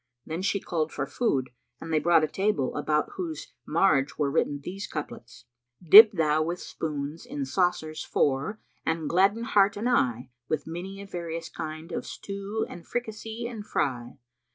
Then she called for food and they brought a table, about whose marge were written these couplets,[FN#328] "Dip thou with spoons in saucers four and gladden heart and eye * With many a various kind of stew and fricassee and fry.